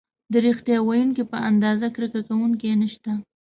د ریښتیا ویونکي په اندازه کرکه کوونکي نشته.